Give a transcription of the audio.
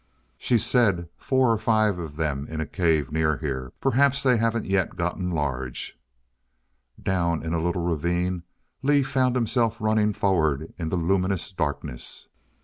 "She said four or five of them in a cave near here perhaps they haven't yet gotten large "Down in a little ravine Lee found himself running forward in the luminous darkness.